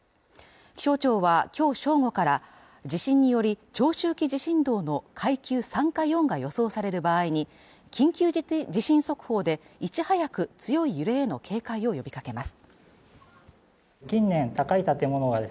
気象庁はきょう正午から地震により長周期地震動の階級３か４が予想される場合に緊急地震速報でいち早く強い揺れへの警戒を呼びかけます